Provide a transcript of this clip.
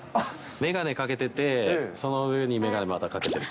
眼鏡かけてて、その上に眼鏡またかけてる。